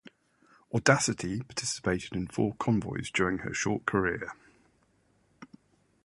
"Audacity" participated in four convoys during her short career.